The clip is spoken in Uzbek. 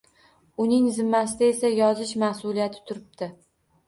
Uning zimmasida esa yozish mas`uliyati turibdi